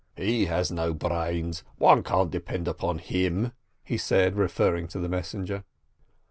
"He has no brains, one can't depend on him," he said, referring to the messenger.